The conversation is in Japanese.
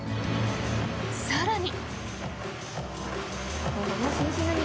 更に。